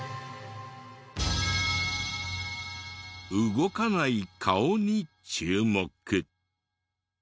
動かない顔に注目。